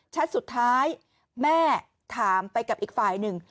สุดท้ายแม่ถามไปกับอีกฝ่ายหนึ่ง